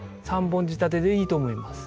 ３本仕立てでいいと思います。